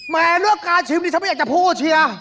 เรื่องการชิมนี่ฉันไม่อยากจะพูดเชียร์